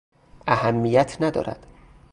اهمیت ندارد.